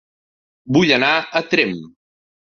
Vull anar a Tremp